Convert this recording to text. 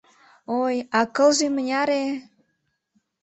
Ой, а кылже мыняре-э!